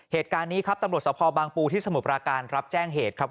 เหตุการณ์นี้ครับตำรวจสภบางปูที่สมุทรปราการรับแจ้งเหตุครับ